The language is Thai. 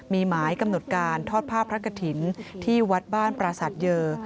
มีหมายกำหนดการทอดผ้าพระกฐินที่วัดบ้านปราศาสตร์เยอร์